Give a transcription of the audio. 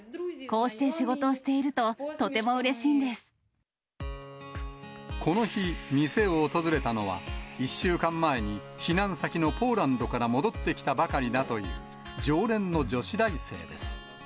こうして仕事をしていると、この日、店を訪れたのは、１週間前に避難先のポーランドから戻ってきたばかりだという常連の女子大生です。